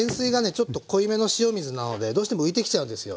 ちょっと濃いめの塩水なのでどうしても浮いてきちゃうんですよ